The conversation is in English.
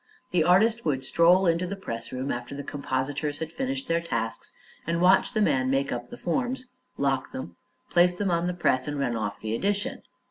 The artist would stroll into the pressroom after the compositors had finished their tasks and watch the man make up the forms, lock them, place them on the press and run off the edition.